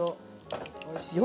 おいしいよ。